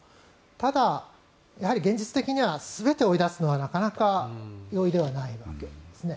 ただ、現実的は全て追い出すのはなかなか容易ではないわけです。